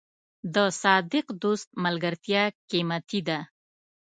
د صادق دوست ملګرتیا قیمتي ده.